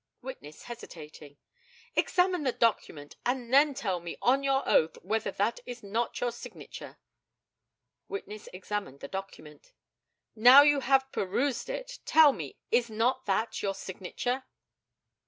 Witness hesitating Examine the document, and then tell me, on your oath, whether that is not your signature [witness examined the document]. Now you have perused it, tell me, is not that your signature?